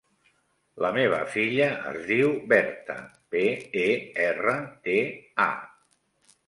La meva filla es diu Berta: be, e, erra, te, a.